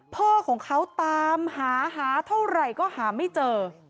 พ่อของเขาตามหาหาเท่าไหร่ก็หาไม่เจอ